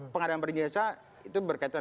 pengadilan barang dan jasa itu berkaitan